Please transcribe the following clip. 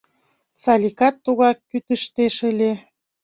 Саликат тугак кӱтыштеш ыле.